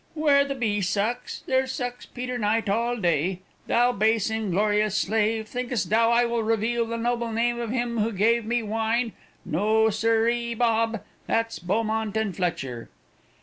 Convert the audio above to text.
"Where the bee sucks, there sucks Peter Knight all day. Thou base, inglorious slave, think'st thou I will reveal the noble name of him who gave me wine? No, sir ee, Bob. That's Beaumont and Fletcher."